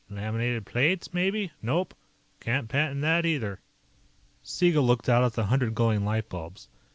Laminated plates, maybe? Nope. Can't patent that, either." Siegel looked out at the hundred glowing light bulbs.